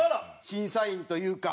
審査員というか。